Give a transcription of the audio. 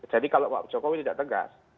jadi kalau pak jokowi tidak tegas